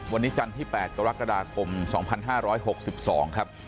วันนี้จันทร์ที่๘กรกฎาคม๒๕๖๒ครับ